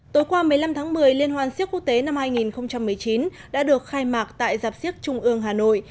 tối qua một mươi năm tháng một mươi liên hoàn siếc quốc tế năm hai nghìn một mươi chín đã được khai mạc tại giạp siếc trung ương hà nội